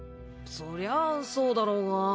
そりゃそうだろうが。